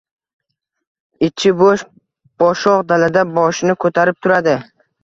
Ichi boʻsh boshoq dalada boshini koʻtarib turadi